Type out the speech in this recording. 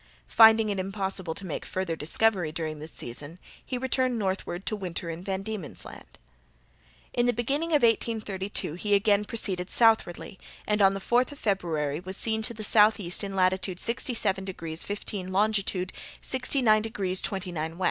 Finding it impossible to make further discovery during this season, he returned northward to winter in Van Diemen's Land. In the beginning of 1832 he again proceeded southwardly, and on the fourth of February land was seen to the southeast in latitude 67 degrees 15' longitude 69 degrees 29' W.